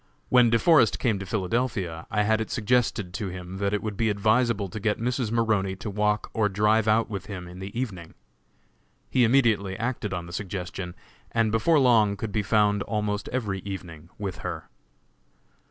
When De Forest came to Philadelphia I had it suggested to him that it would be advisable to get Mrs. Maroney to walk or drive out with him in the evening. He immediately acted on the suggestion, and before long could be found almost every evening with her.